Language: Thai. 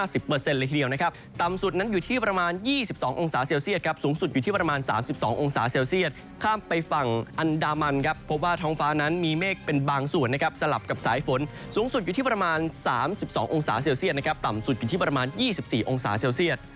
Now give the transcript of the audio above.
สูงสุดอยู่ที่ประมาณ๓๒องศาเซียตนะครับต่ำสุดอยู่ที่ประมาณ๒๔องศาเซียต